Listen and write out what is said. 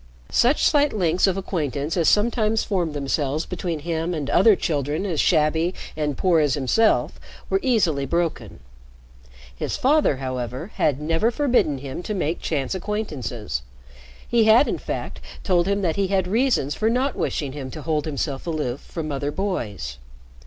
Such slight links of acquaintance as sometimes formed themselves between him and other children as shabby and poor as himself were easily broken. His father, however, had never forbidden him to make chance acquaintances. He had, in fact, told him that he had reasons for not wishing him to hold himself aloof from other boys.